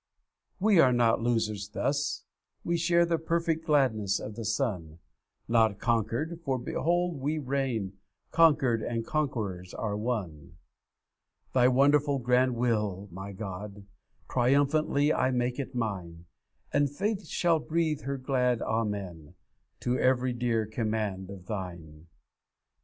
'We are not losers thus; we share The perfect gladness of the Son, Not conquered for, behold, we reign; Conquered and Conqueror are one. 'Thy wonderful grand will, my God! Triumphantly I make it mine; And faith shall breathe her glad "Amen" To every dear command of Thine.